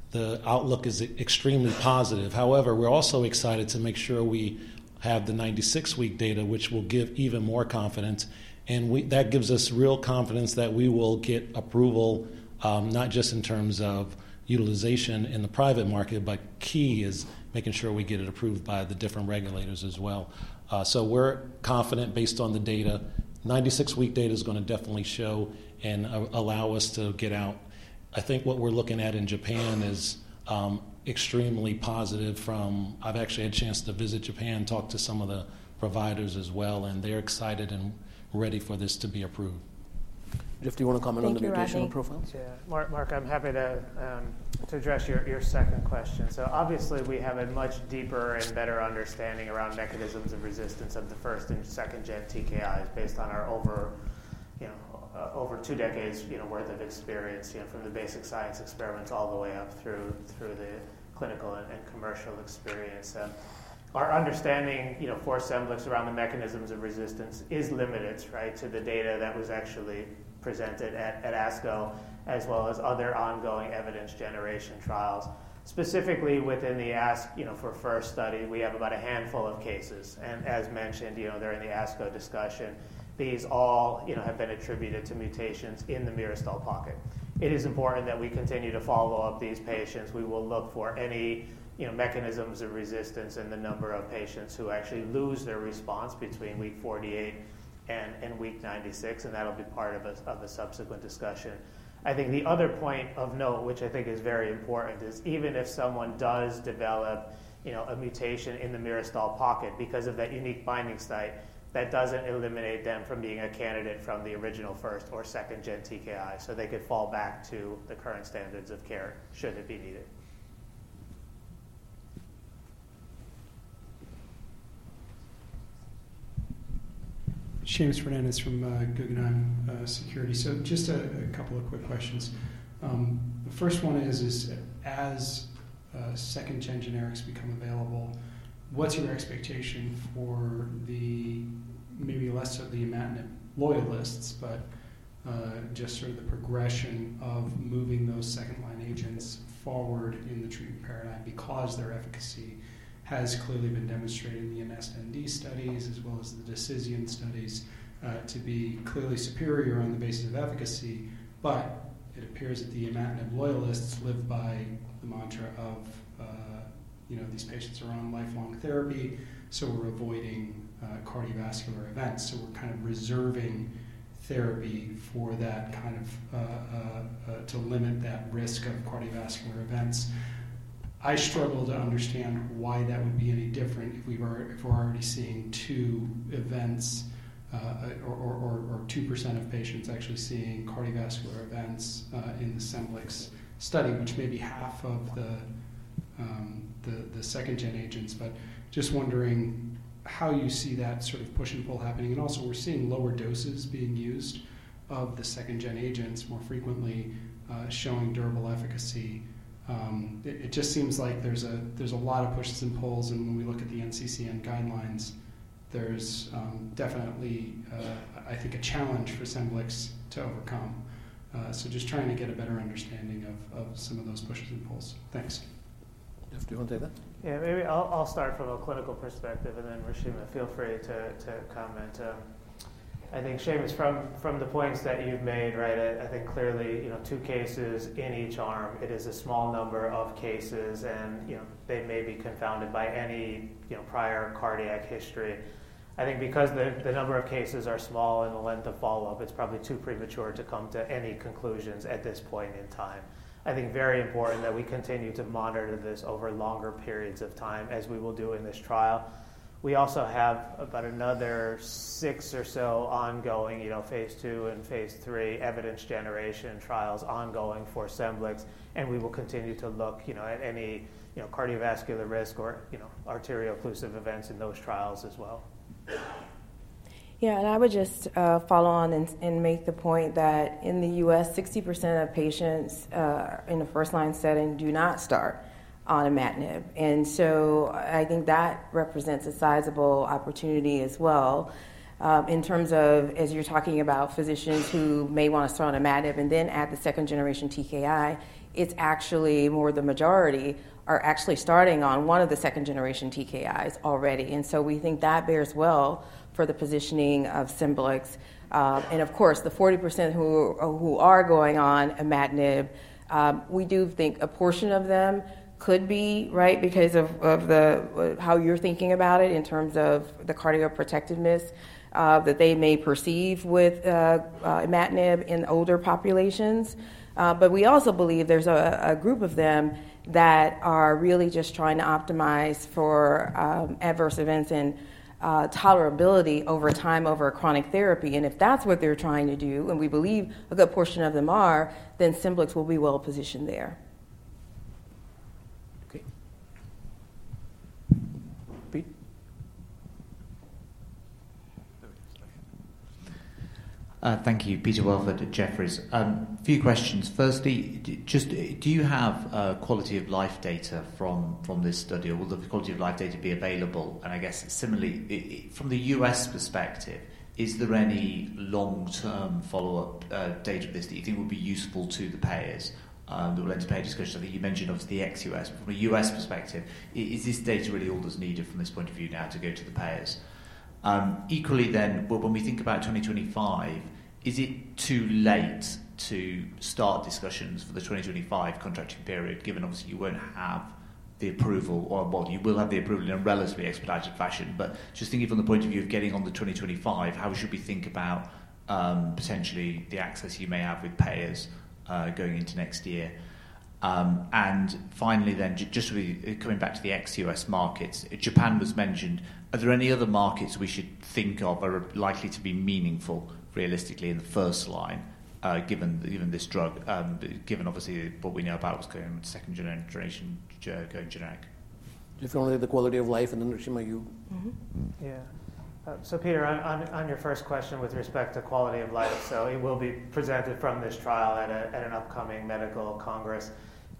the outlook is extremely positive. However, we're also excited to make sure we have the 96-week data, which will give even more confidence, and that gives us real confidence that we will get approval, not just in terms of utilization in the private market, but key is making sure we get it approved by the different regulators as well. So we're confident based on the data. 96-week data is going to definitely show and allow us to get out. I think what we're looking at in Japan is extremely positive from... I've actually had a chance to visit Japan, talk to some of the providers as well, and they're excited and ready for this to be approved. Jeff, do you want to comment on the mutation profile? Thank you, Rodney. Yeah. Mark, Mark, I'm happy to to address your, your second question. So obviously, we have a much deeper and better understanding around mechanisms of resistance of the first- and second-gen TKIs based on our over, you know, over two decades, you know, worth of experience, you know, from the basic science experiments all the way up through, through the clinical and, and commercial experience. Our understanding, you know, for Scemblix around the mechanisms of resistance is limited, right, to the data that was actually presented at, at ASCO, as well as other ongoing evidence generation trials. Specifically within the ASC4FIRST study, we have about a handful of cases. And as mentioned, you know, they're in the ASCO discussion. These all, you know, have been attributed to mutations in the myristoyl pocket. It is important that we continue to follow up these patients. We will look for any, you know, mechanisms of resistance and the number of patients who actually lose their response between week 48 and week 96, and that'll be part of a subsequent discussion. I think the other point of note, which I think is very important, is even if someone does develop, you know, a mutation in the myristoyl pocket because of that unique binding site, that doesn't eliminate them from being a candidate from the original first- or second-gen TKI, so they could fall back to the current standards of care should it be needed. Seamus Fernandez from Guggenheim Securities. So just a couple of quick questions. The first one is, as second-gen generics become available, what's your expectation for the maybe less of the imatinib loyalists, but just sort of the progression of moving those second-line agents forward in the treatment paradigm because their efficacy has clearly been demonstrated in the ENESTnd studies, as well as the DASISION studies, to be clearly superior on the basis of efficacy. But it appears that the imatinib loyalists live by the mantra of, you know, these patients are on lifelong therapy, so we're avoiding cardiovascular events. So we're kind of reserving therapy for that kind of to limit that risk of cardiovascular events. I struggle to understand why that would be any different if we were—if we're already seeing two events or 2% of patients actually seeing cardiovascular events in the Scemblix study, which may be half of the second-gen agents. But just wondering how you see that sort of push and pull happening. And also, we're seeing lower doses being used of the second-gen agents more frequently, showing durable efficacy. It just seems like there's a lot of pushes and pulls, and when we look at the NCCN guidelines, there's definitely, I think, a challenge for Scemblix to overcome. So just trying to get a better understanding of some of those pushes and pulls. Thanks. Jeff, do you want to take that? Yeah, maybe I'll start from a clinical perspective, and then Reshema, feel free to comment. I think, Seamus, from the points that you've made, right, I think clearly, you know, two cases in each arm, it is a small number of cases and, you know, they may be confounded by any, you know, prior cardiac history. I think because the number of cases are small and the length of follow-up, it's probably too premature to come to any conclusions at this point in time. I think very important that we continue to monitor this over longer periods of time, as we will do in this trial. We also have about another six or so ongoing, you know, phase II and phase III evidence generation trials ongoing for Scemblix, and we will continue to look, you know, at any, you know, cardiovascular risk or, you know, arterial occlusive events in those trials as well. Yeah, and I would just follow on and make the point that in the U.S., 60% of patients in a first-line setting do not start on imatinib. And so I think that represents a sizable opportunity as well. In terms of, as you're talking about physicians who may want to start on imatinib and then add the second-generation TKI, it's actually more the majority are actually starting on one of the second-generation TKIs already. And so we think that bears well for the positioning of Scemblix. And of course, the 40% who are going on imatinib, we do think a portion of them could be, right, because of how you're thinking about it in terms of the cardioprotectiveness that they may perceive with imatinib in older populations. But we also believe there's a group of them that are really just trying to optimize for adverse events and tolerability over time over a chronic therapy. And if that's what they're trying to do, and we believe a good portion of them are, then Scemblix will be well positioned there. Okay. Pete? There it is, okay. Thank you. Peter Welford at Jefferies. A few questions. Firstly, just, do you have quality of life data from, from this study, or will the quality of life data be available? And I guess similarly, from the U.S. perspective, is there any long-term follow-up data of this that you think would be useful to the payers? There were end payer discussions that you mentioned of the ex-U.S. From a U.S. perspective, is this data really all that's needed from this point of view now to go to the payers? Equally then, but when we think about 2025, is it too late to start discussions for the 2025 contracting period, given obviously you won't have the approval or well, you will have the approval in a relatively expedited fashion, but just thinking from the point of view of getting on the 2025, how should we think about potentially the access you may have with payers going into next year? And finally, then, just coming back to the ex-U.S. markets, Japan was mentioned. Are there any other markets we should think of are likely to be meaningful realistically in the first line, given, given this drug and given obviously, what we know about what's going on with second generation, generation going generic? If only the quality of life, and then Reshema, you- Mm-hmm. Yeah. So Peter, on your first question with respect to quality of life, so it will be presented from this trial at an upcoming medical congress.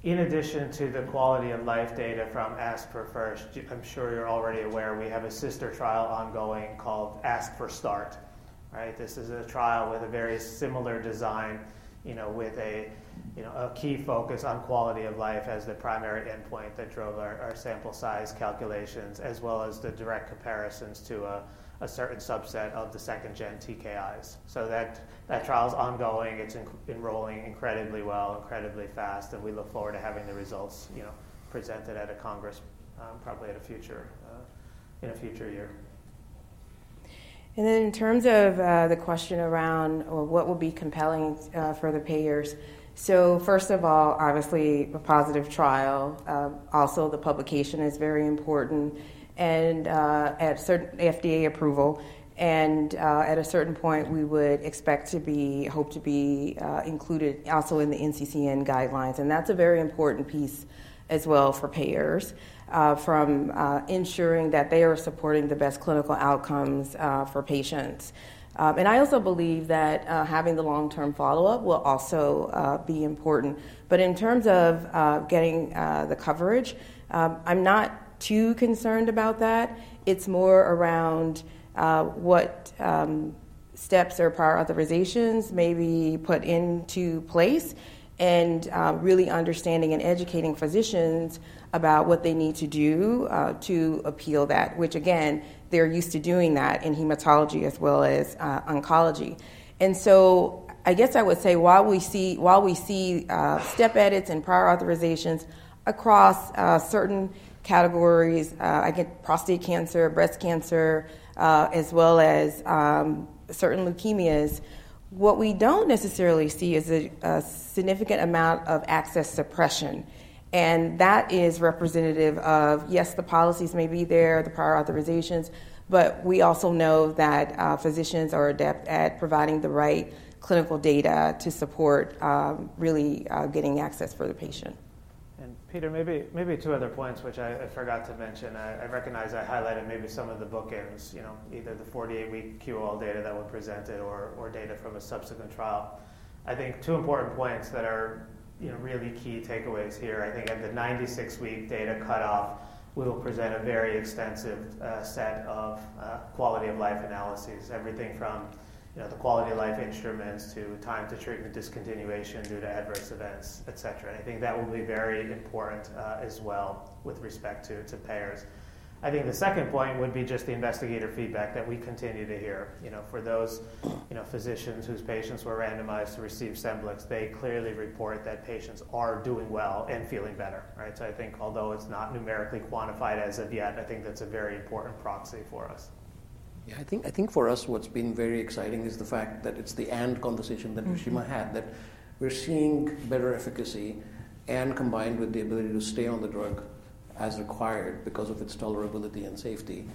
In addition to the quality of life data from ASC4FIRST, I'm sure you're already aware, we have a sister trial ongoing called ASC4START. Right? This is a trial with a very similar design, you know, with a key focus on quality of life as the primary endpoint that drove our sample size calculations, as well as the direct comparisons to a certain subset of the second-gen TKIs. So that trial's ongoing. It's enrolling incredibly well, incredibly fast, and we look forward to having the results, you know, presented at a congress, probably in a future year. Then in terms of the question around what will be compelling for the payers. So first of all, obviously, a positive trial. Also, the publication is very important and FDA approval, and at a certain point, we would expect to be, hope to be, included also in the NCCN guidelines. And that's a very important piece as well for payers, from ensuring that they are supporting the best clinical outcomes for patients. And I also believe that having the long-term follow-up will also be important. But in terms of getting the coverage, I'm not too concerned about that. It's more around what steps or prior authorizations may be put into place and really understanding and educating physicians about what they need to do to appeal that, which again, they're used to doing that in hematology as well as oncology. And so I guess I would say while we see step edits and prior authorizations across certain categories, I see prostate cancer, breast cancer, as well as certain leukemias, what we don't necessarily see is a significant amount of access suppression, and that is representative of, yes, the policies may be there, the prior authorizations, but we also know that physicians are adept at providing the right clinical data to support really getting access for the patient. Peter, maybe, maybe two other points, which I forgot to mention. I recognize I highlighted maybe some of the bookends, you know, either the 48-week QOL data that were presented or data from a subsequent trial. I think two important points that are, you know, really key takeaways here. I think at the 96-week data cutoff, we will present a very extensive set of quality of life analyses, everything from, you know, the quality of life instruments to time to treatment discontinuation due to adverse events, et cetera. I think that will be very important as well with respect to payers. I think the second point would be just the investigator feedback that we continue to hear. You know, for those, you know, physicians whose patients were randomized to receive Scemblix, they clearly report that patients are doing well and feeling better, right? So I think although it's not numerically quantified as of yet, I think that's a very important proxy for us. Yeah, I think for us, what's been very exciting is the fact that it's the end conversation that Reshema had, that we're seeing better efficacy and combined with the ability to stay on the drug as required because of its tolerability and safety,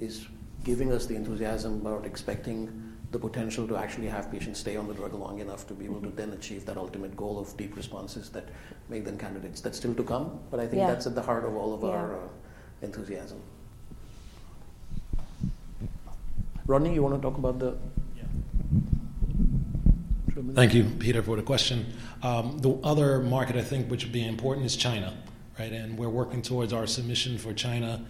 is giving us the enthusiasm about expecting the potential to actually have patients stay on the drug long enough to be able to then achieve that ultimate goal of deep responses that make them candidates. That's still to come. Yeah... but I think that's at the heart of all of our- Yeah... enthusiasm. Rodney, you want to talk about the- Yeah. Thank you, Peter, for the question. The other market I think which would be important is China, right? And we're working towards our submission for China,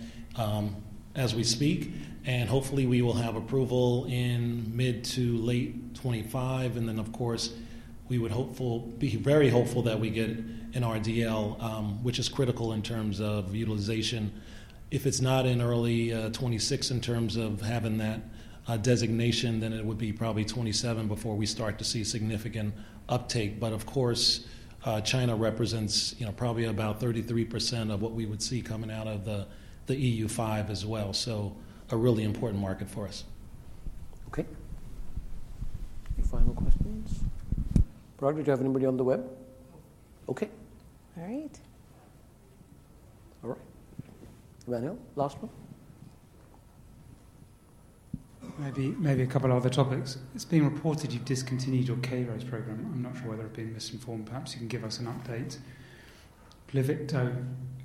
as we speak, and hopefully we will have approval in mid- to late 2025. And then, of course, we would hopeful-- be very hopeful that we get an RDL, which is critical in terms of utilization. If it's not in early 2026 in terms of having that designation, then it would be probably 2027 before we start to see significant uptake. But of course, China represents, you know, probably about 33% of what we would see coming out of the, the EU five as well. So a really important market for us. Okay. Any final questions? Parag, do you have anybody on the web? No. Okay. All right. All right. Emmanuel, last one? Maybe, maybe a couple of other topics. It's being reported you've discontinued your KRAS program. I'm not sure whether I've been misinformed. Perhaps you can give us an update. Pluvicto,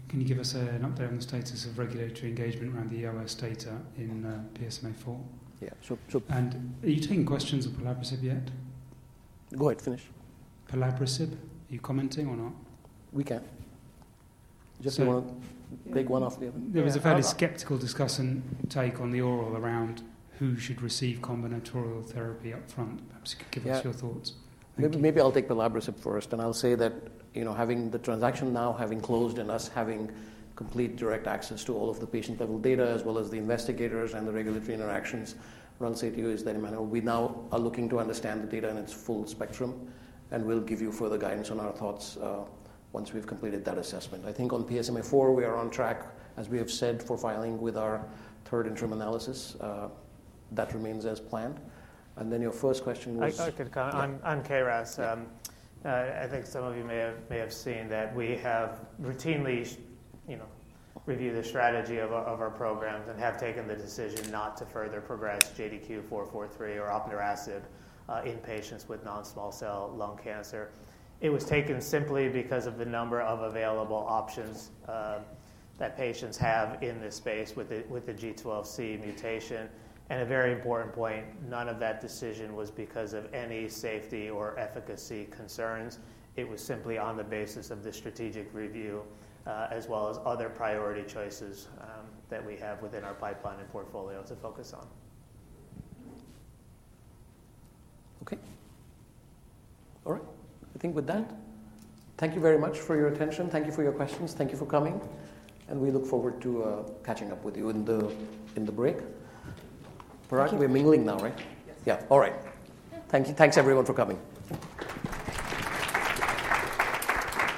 can you give us an update on the status of regulatory engagement around the AOEs data in PSMAfore? Yeah, sure. Sure. Are you taking questions on pelabresib yet? Go ahead, finish. pelabresib, are you commenting or not? We can. Just want to take one off the other. There was a fairly skeptical discussion and take on the oral around who should receive combinatorial therapy up front. Perhaps you could give us your thoughts. Maybe, maybe I'll take pelabresib first, and I'll say that, you know, having the transaction now having closed and us having complete direct access to all of the patient-level data, as well as the investigators and the regulatory interactions around safety, that, in a manner, we now are looking to understand the data in its full spectrum, and we'll give you further guidance on our thoughts once we've completed that assessment. I think on PSMAfore, we are on track, as we have said, for filing with our third interim analysis. That remains as planned. And then your first question was- I could comment on KRAS. I think some of you may have seen that we have routinely, you know, reviewed the strategy of our programs and have taken the decision not to further progress JDQ443 or opnurasib in patients with non-small cell lung cancer. It was taken simply because of the number of available options that patients have in this space with the G12C mutation. And a very important point, none of that decision was because of any safety or efficacy concerns. It was simply on the basis of the strategic review, as well as other priority choices that we have within our pipeline and portfolio to focus on. Okay. All right. I think with that, thank you very much for your attention. Thank you for your questions. Thank you for coming, and we look forward to catching up with you in the break. Parag, we're mingling now, right? Yes. Yeah. All right. Thank you. Thanks, everyone, for coming.